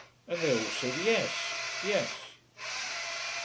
And they all said Yes yes.